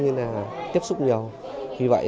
nên là tiếp xúc nhiều vì vậy